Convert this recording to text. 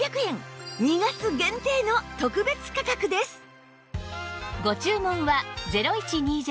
２月限定の特別価格です